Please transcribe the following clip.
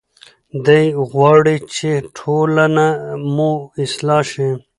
دی غواړي چې ټولنه مو اصلاح شي.